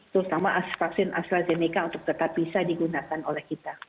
terutama vaksin astrazeneca untuk tetap bisa digunakan oleh kita